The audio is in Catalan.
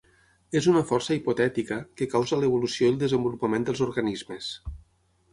És una força hipotètica que causa l'evolució i el desenvolupament dels organismes.